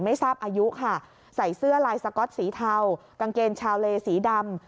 ไม่ทราบอายุค่ะใส่เสื้อลายสก๊อตสีเทากางเกงชาวเลสีดำ